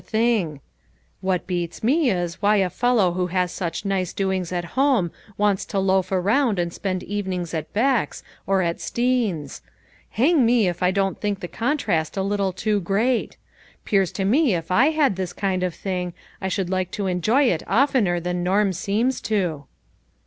a thing ; what beats me, is, why a fellow who has such nice doings at home, wants to loaf around, and spend evenings at Beck's, or at Steen's. Hang me if I don't think the contrast a little too great. 'Pears to me if I had this kind of thing, I should like to enjoy it oftener than Norm seems to."